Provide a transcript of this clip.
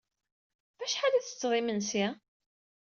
Ɣef wacḥal ay tettetteḍ imensi?